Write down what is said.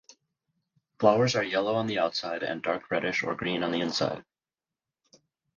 Flowers are yellow on the outside and dark reddish or green on the inside.